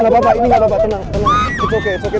putri sus goreng